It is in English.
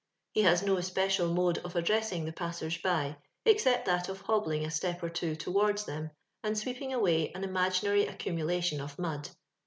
He has no especial mode of addressing the passers by, except that of hobbling a step or two towards them and sweeping away an imaginary accumulation of mud.